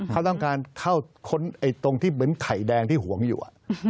เขาต้องการเข้าค้นตรงที่เหมือนไข่แดงที่หวงอยู่